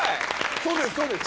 そうですそうです